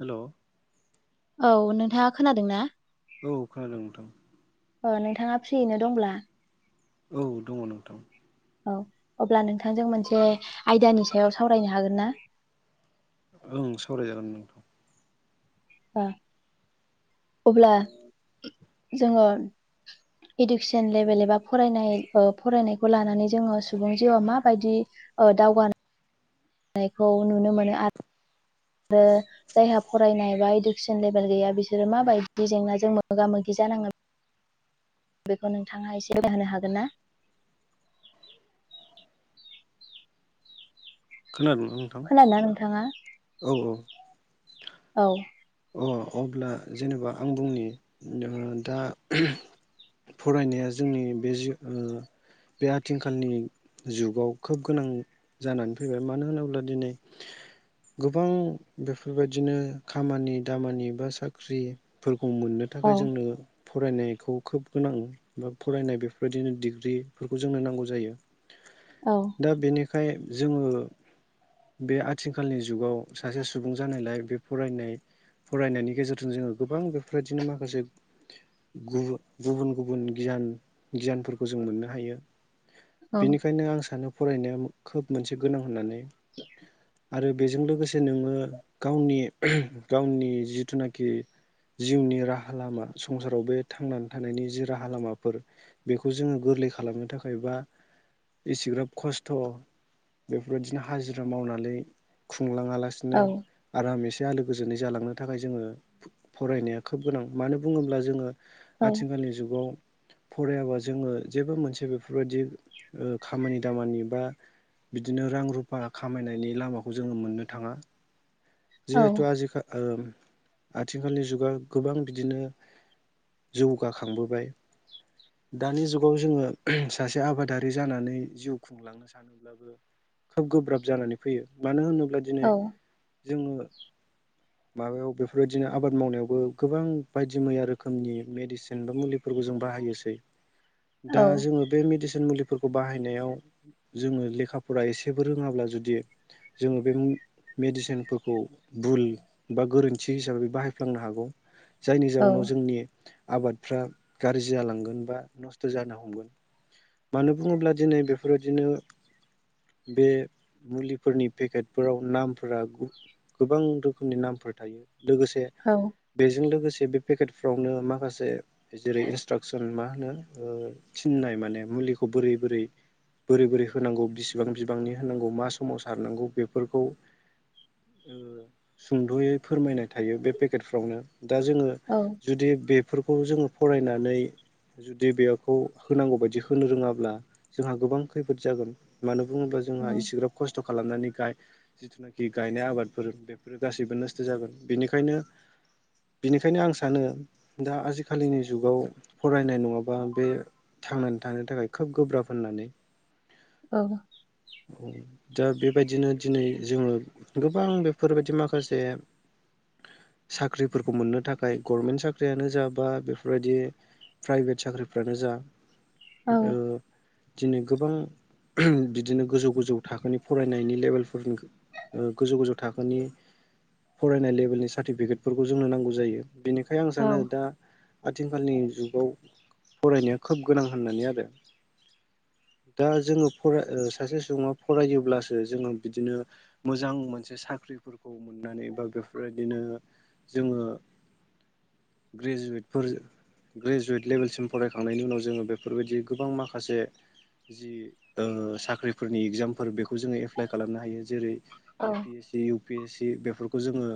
Hello औ नोंथाङा खोनादों ना? औ खोनादों नोंथां। अ नोंथाङा फ्रियैनो दंब्ला औ दङ नोंथां औ अब्ला नोंथांजों मोनसे आयदानि सायाव सावरायनो हागोन ना? ओं सावरायजागोन नोंथां। अ अब्ला जोङो इदुकेसन लेभेल एबा फरायनाय ओ फरायनायखौ लानानै जोङो सुबुं जिउआ माबायदि औ दावगानो नायखौ नुनो मोनो आ रो जायहा फरायनाय बा इडुकेसन लेभेल गैया बिसोरो माबायदि जेंनाजों मोगा मोगि गि जानाङो। बेखौ नोंथाङा एसे बनो हागोन ना? खोनादों ना नोंथां खोनादोंना नोंथाङा? औ औ औ अ अब्ला जेनेबा आं बुंनि दा फरायनाया जोंनि बे जिउ ओ बे आथिंखालनि जुगाव खोब गोनां जानानै फैबाय मानो होनोब्ला दिनै गोबां बेफोरबायदिनो खामानि दामानि बा साख्रिफोरखौ मोननो औ थाखाय जोंनो फरायनायखौ खोब गोनां बा फरायनाय बेफोरबायदिनो डिग्रिफोरखौ जोंनो नांगौ जायो। औ दा बेनिखाय जोङो बे आथिखालनि जुगाव सासे सुबुं जानायलाय बे फरायनाय फरायनायनि गेजेरजों जोङो गोबां बेफोरबायदिनो माखासे गुबुन गुबुन गियान गियान गियानफोरखौ जों मोननो हायो। औ बेनिखायनो आं सानो फरायनाया खोब मोनसे गोनां होननानै। आरो बेजों लोगोसे नोङो गावनि गावनि जिथुनाखि जिउनि राहा लामा संसाराव बे थांनानै थानायनि जि राहा लामाफोर बेखौ जोङो गोथ गोरलै खालामनो थाखाय बा इसेग्राब खस्थ' बेफोरबायदिनो हाजिर मावनानै खुंलाङा लासेनो औ आराम एसे आलो गोजोनै जालांनो थाखाय जोङो फरायनाया खोब गोनां मानो बुङोब्ला जोङो औ आथिखालनि जुगाव फरायाबा जोङो जेबो मोनसे बेफोरबायदि खामानि दामानि बा बिदिनो रां रुफा खामायनायनि लामाखौ जोङो मोननो थाङा औ जिहेथु आजिखा आथिखालनि जुगा गोबां बिदिनो जौगाखांबोबाय। दानि जुगाव जोङो सासे आबादारि जानानै जिउ खुंलांनो सानोब्लाबो खोब गोब्राब जानानै फैयो मानो होनोब्ला दिनै जोङो माबायाव बेफोरबायदिनो आबाद मावनायावबो गोबां बायदि मैया रोखोमनि मेडिसिन बा मुलिफोरखौ जों बाहायोसै। औ दा जोङो बे मेडिसिन मुलि फोरखौ बाहायनायाव जोङो लेखाफोरा एसेबो रोङाब्ला जुदि जोङो बे मेडिसिनफोरखौ भुल बा गोरोन्थि हिसाबै बाहायफ्लांनो हागौ। जायनि औ जाउनाव जोंनि आबादफ्रा गाज्रि जालांगोन। बा नस्थ' जानो हमगोन मानो बुङोब्ला दिनै बेफोरबायदिनो बे मुलिफोरनि पेकेटफोराव नामफोरा गु गोबां रोखोमनि नामफोर थायो। लोगोसे औ बेजों लोगोसे बे पेकेटफ्रावनो माखासे जेरै इन्सट्राकसन मा थिननाय माने मुलिखौ बोरै बोरै बोरै बोरै होनांगौ बिसिबां बिबांनि होनांगौ मा समाव सारनांगौ बेफोरखौ ओ-सुंदयै फोरमायनाय थायो बे पेकेटफ्रावनो। दा जोङो औ जुदि बेफोरखौ जोङो फरायनानै जुदि बेखौ होनांगौ बायदि होनो रोङाब्ला जोंहा गोबां खैफोद जागोन मानो बुङोब्ला औ जोंहा इसेराब खसथ खालामनानै गाय जिथुनाखि गायनाय आबादफोर बेफोरो गासैबो नस्थ जागोन बेनिखायनो बिनिखायनो आं सानो दा आजिखालिनि जुगाव फरायनाय नङाबा बे थांनानै थानो थाखाय खोब गोब्राब होननानै। औ। औ दा बेबायदिनो दिनै जोङो गोबां बेफोरबायदि माखासे [inaudible] साख्रिफोरखौ मोननो थाखाय गभरमेन्ट साख्रियानो जाबा बेफोरबायदि प्राइभेट साख्रिफ्रानो जा औ ओ-दिनै गोबां आम बिदिनो गोजौ गोजौ थाखोनि फरायनायनि लेभेलफोर गोजौ गोजौ थाखोनि फरायनाय लेभेलनि साटिफिकेटफोरखौ जोंनो नांगौ जायो। बेनिखाय आं सानो औ दा आथिखालनि जुग फरायनाया खोब गोनां होननानै आरो। [inaudible] दा जोङो फर ओ-सासे सुबुङा फरायोब्लासो जोङो बिदिनो मोजां मोनसे साख्रिफोरख खौ मोननानै बा बेफोरबायदिनो जोङो ग्रेजुवेटफोर ग्रेजुवेट लेभेलसिम फरायखांनायनि उनाव जोङो बेफोरबायदि गोबां माखासे जि ओ-साख्रिफोरनि एगजाम फोर बेखौ जोङो एप्लाइ खालामनो हायो जेरै औ A P S C U P S C बेफोरखौ जोङो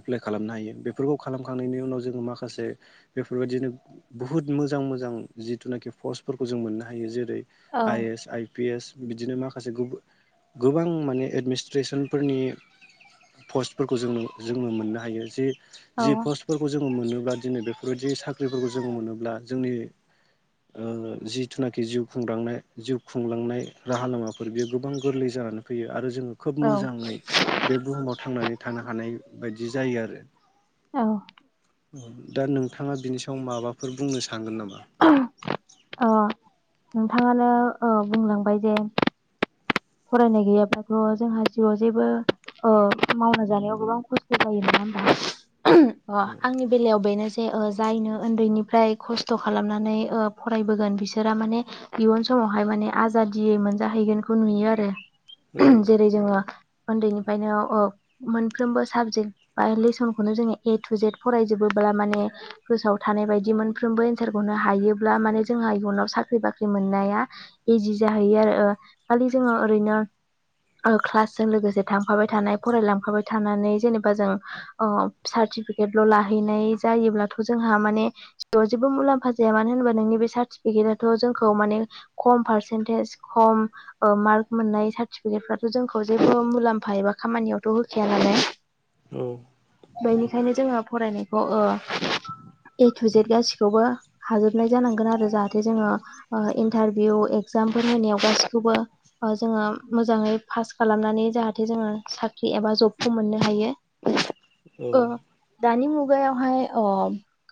एप्लाइ खालामनो हायो बेफोरखौ खालामखांनायनि उनाव जोङो माखासे बेफोरबायदिनो बुहुद मोजां मोजां जिथुनाखि फस्त फोरखौ जों मोननो हायो जेरै आएस आइ पि एस बिदिनो माखासे गोब-गोबां माने एडमिनिस्ट्रेसनफोरनि। पस्टफोरखौ जोङ जोङो मोननो हायो जि जि पस्टफोरखौ जोङो मोनोब्ला दिनै बे बेफोरबायदि साख्रिफोरखौ जोङो मोनोब्ला जोंनि। ओ-जिथुनाखि जिउ खुंदांनाय जिउ खुंलांनाय राहा लामाफोर बेयो गोबां गोरलै जाय जानानै फैयो आरो जोङो खोब औ मोजाङै बे बुहुमाव थांनानै थानो हानाय बायदि जायो आरो। औ दा नोंथाङा बिनि सायाव माबाफोर बुंनो सानगोन नामा। ओ-नोंथाङानो ओ-बुंलांबाय जे फरायनाय गैयाबाथ जोंहा जिउआव जेबो ओ-मावना जानायाव गोबां खस्थ जायो। अ औ आंनि बेलायाव बेनो। जायनो उन्दैनिफ्राय खथ खालामनानै ओ-फरायबोगोन बिसोर माने इयुन सम समावहाय माने आजादियै मोनजाहैगोनखौ नुयो आरो औ जेरै जोङो। उन्दैनिफायनो मोनफ्रोमबो साबजेक्ट बा लेसनखौनो जोङो ए टु जेड फरायजोबो बा। ब्ला माने गोसोआव थानाय बायदि मोनफ्रबो एन्सारखौनो हायोब्ला माने जोंहा इयुनाव साख्रि बाख्रि मोन। मोननाया इजि जाहैयो आरो खालि जोङो ओरैनो। क्लासजों लोगोसे थांफाबाय थानाय फरायलांफाबाय थानानै जेनेबा जों ओ तिपिकेतखौ लाहैनाय जायोब्लाथ जोंहा माने जेबो मुलाम्फा जाया मानो होनबा नोंनि बे साट सारतिपिकेत जोंखौ माने खम पार्सेनटेज खम मार्क मोननाय सार्टिफिकेट फ्राथ जोंखौ जेबो मुलाम्फा एबा खामानियावथ होखाया नालाय। औ बेनिखायनो जोङो फरायनायखौ ओ ए टु जेद गासिखौबो हाजोबनाय जानांगोन आरो जाहाथे जोङो ओ- इन्टारभिउ एगजामफोर होनायाव गासिखौबो। जोङो मोजाङै पास खालामनानै जाहाथे जोङो साख्रि एबा जबखौ मोननो हायो। बि [inaudible] [unintelligible] औ दानि मुगायावहाय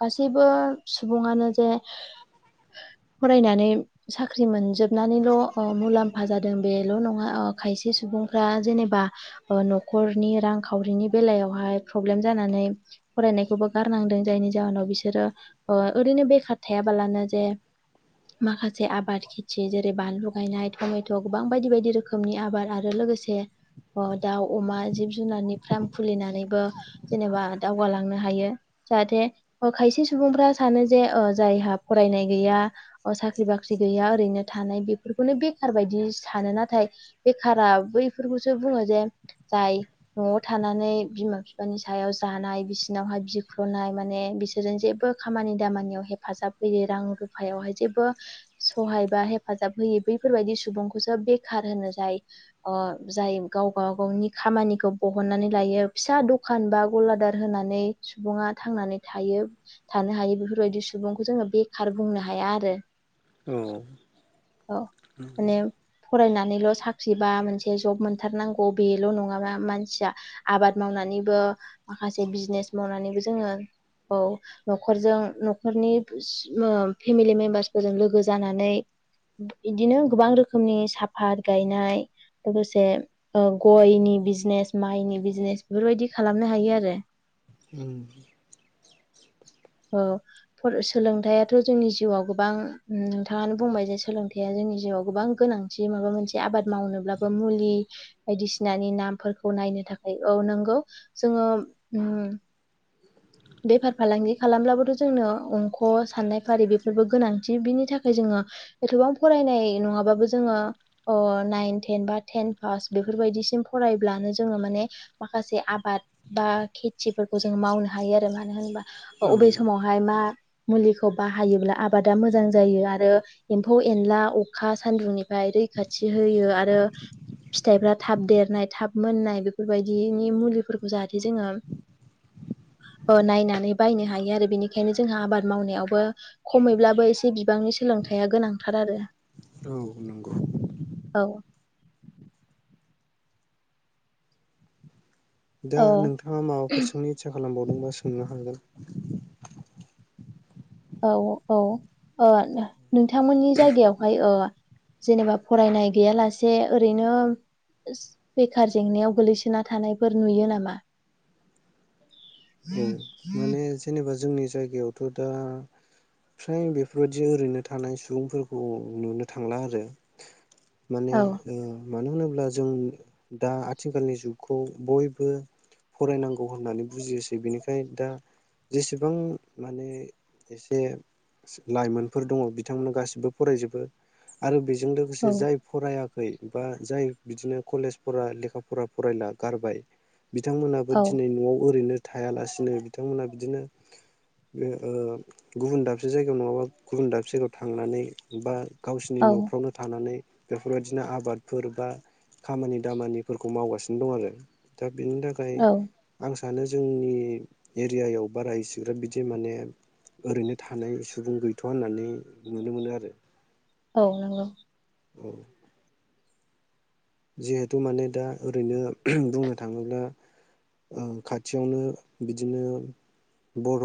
गासैबो सुबुङानो जे फरायनानै साख्रि मोनजोबनानैल' मुलाम्फा फा जादों बेल' नङा खायसे सुबुंफ्रा जेनेबा न'खरनि रांखावरिनि बेलायाव हाय प्रब्लेम जानानै फरायनायखौबो गारनांदों जायनि जाहनाव बिसोरो नो बेखार थायाबालानो जे माखासे आबाद खेथि जेरै बानलु गायनाय। टमेट' गोबां बायदि बायदि रोखोमनि आबाद आरो लोगोसे दाउ अमा जिब जुनारनि फार्म खुलिनानैबो जेनेबा दावगालांनो हायो जाहाथे खायसे सुबुंफ्रा सानो जे जायहा फरायनाय गैया साख्रि बाख्रि गैया ओरैनो थानाय बेफोरखौनो बे बेखार बायदि सानो नाथाय बेखारा बैफोरखौसो बुङो जे जाय न'आव थानानै बिमा बिफानि सायाव जानाय बिसिनावहाय बिख्ल नाय माने बिसोरजों जेबो खामानि दामानियाव हेफाजाब होयै रां रुफायावहाय जेबो सहाय बा, हेफाजाब होयै बे बेफोरबायदि सुबुंखौसो बेखार होनो जाय जाय गाव गावनि खामानिखौ बह बहननानै लायो फिसा दखान बा गलादार होनानै सुबुंङा थांनानै थायो थानो थायो बेफोरबायदि सुबुंखौ जोङो बेखार बुंनो हाया आरो‌। औ नंगौ। माने फरायनानैल' साख्रि बा मोनसे जब मोनथारनांगौ बेल' नङा मानसिया आबाद मावनानै बो माखासे बिजनेस मावनानैबो जोङो। औ न'खरजों न'खरनि फेमिलि मेम्बार्सफोरजों लोगो जानानै बिदिनो गोबां रोखोमनि साफात गायनाय। लोगोसे गयनि बिजनेस माइनि बिजनेस बेफोरबायदि खालामनो हायो आरो। उम औ सोलोंथाइाथ' जोंनि जिउआव गोबां नोंथाङानो बुंबाय जे सोलोंथया जों नि जिउआव गोबां गोनांथि माबा मोनसे आबाद मावनोब्लाबो मुलि बायदिसिनानि नामफोरखौ नायनो थाखाय, औ नोंगौ जोङो बेफार फालांगि खालामब्लाबोथ' जोंनो अंख' साननाय फारि बेफोरबो गोनांथि बिनि थाखाय जोङो एथ'बां फराय नाय नङाबाबो जोङो ओ नाइन तेन बा तेन फास बेफोरबायदिसिम फरायोब्लानो जो- ङो माने माखासे आबाद बा खेथिफोरखौ जोङो मावनो हायो आरो मानो होनबा? औ अबे समावहाय मा मुलिखौ बाहायोब्ला आबादा मोजां जायो आरो एम्फौ एनला अखा सान्दुंनिफ्राय रैखाथि होयो आरो। फिथाइफ्रा थाब देरनाय थाब मोननाय बेफोरबायदिनि मुलिफोरखौ जाहाथे जोङो ओ नायनानै बायनो हायो आरो बेनिखायनो जोंहा आबाद मावनायावबो खमैब्लाबो एसे बिबांनि सोलोंथाइया गोनांथार आरो। औ नंगौ। औ दा ओ नोंथाङा माबाफोर सोंनो इसा खालामबावदोंबा सोंनो हागोन। औ औ ओ नोंथांमोननि जायगायावहाय ओ जेनेबा फरायनाय गैयालासे ओरैनो बेखार जेंनायाव गोलैसोना थानायफोर नुयो नामा? [unintelligible] बे जेनेबा जोंनि जायगायावथ' दा फ्राय बेफोरबायदि ओरैनो थानाय सुबुंफोरखौ नुनो थांला आरो। माने औ ओ मानो होनोब्ला जों दा आथिखालनि जुगखौ बयबो फरायनांगौ होननानै बुजियोसै बेनिखायनो दा जेसेबां माने एसे लाइमोनफोर दङ बिथांमोना गासिबो फरायजोबो आरो बेजों औ लोगोसे जाय फराया- खै बा जाय बिदिनो कलेज फरा लेखा फरा फरायला गारबाय बिथांमोनाबो औ दिनै नआव ओरैनो थायालासिनो बिथांमोना बिदिनो बे ओ गुबुन दाबसे जायगायाव नङाबा गुबुन दाबसे जायगायाव थांनानै बा गावसिनि औ नफ्रावनो थानानै बेफोरबायदिनो आबादफोर बा खामानि दामानिफोरखौ मावगासिनो दं आरो दा बेनि थाखाय औ आं सानो जोंनि एरियायाव बाराएसिग्रााब बिदि माने ओरैनो थानाय सुबुं गैथ होननानै नुनो मोनो आरो औ नंगौ औ जिहेथु माने दा ओरैनो बुंनो थाङोब्ला ओ खाथियावनो बिदिनो बर‌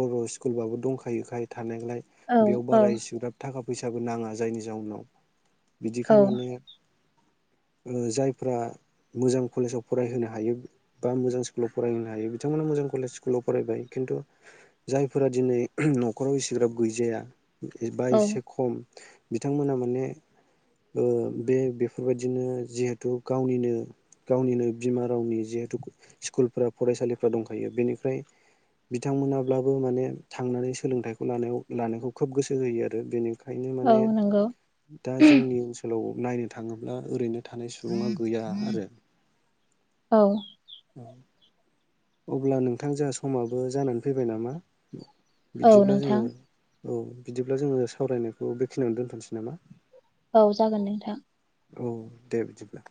बर स्कुलबाबो दंखायो खाय थानायलाय औ बेयाव औ बारा इसेग्राब थाखा फैसाबो नाङा जायनि जाउनाव औ बिदिखाय माने ओ जायफ्रा मोजां कलेजाव फरायहोनो हायो बा मोजां स्कुलाव फरायहोनो हायो बिथां बिथांमोना मोजां कलेज स्कुलाव फरायबाय खिन्थु जायफोरा दिनै नखराव इसेग्राब गैजाया बा औ एसे खम बिथांमोना माने ओ बे बेफोरबायदि नो जिहेतु गावनिनो गावनिनो बिमा रावनि जिहेतु स्कुलफोरा फरायसालि फोर दंखायो बेनिफ्राय बिथांमोनाब्लाबो माने थांनानै सोलोंथाइखौ लानायाव लानायखौ खोब गोसो होयो आरो बेनि खायनो औ माने नंगौ दा जोंनि ओनसोलाव नायनो थाङोब्ला ओरैनो थानाय सुबुा गैया आरो औ औ अब्ला नोंथां जोंहा समाबो जानानै फैबाय नामा औ बिदिब्ला नोंथां जोङो? औ बिदिब्ला जोङो सावरायनायखौ बेखिनियावनो दोनथनोसै नामा? औ जागोन नोंथां औ दे बिदिब्ला।